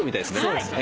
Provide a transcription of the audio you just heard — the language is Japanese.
そうです。